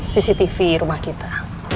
cctv rumah kita